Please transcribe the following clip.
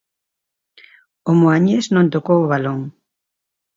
O moañés non tocou o balón.